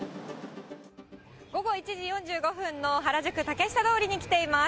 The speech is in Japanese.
午後１時４５分の原宿・竹下通りに来ています。